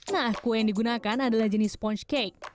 nah kue yang digunakan adalah jenis sponge cake